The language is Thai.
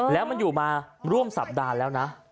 แล้วมันอยู่มาร่วมสัปดาห์แล้วนะ